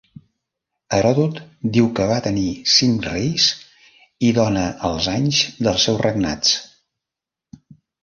Heròdot diu que va tenir cinc reis i dóna els anys dels seus regnats.